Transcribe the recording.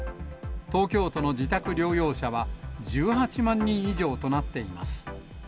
東京都の自宅療養者は１８万人以上となっています。